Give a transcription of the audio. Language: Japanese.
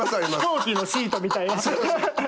飛行機のシートみたいな。